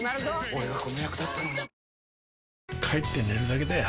俺がこの役だったのに帰って寝るだけだよ